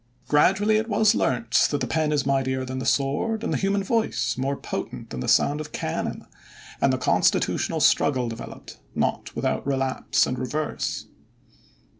Gradually it was learnt that the pen is mightier than the sword and the human voice more potent than the sound of cannon and the constitutional struggle developed, not without relapse and reverse.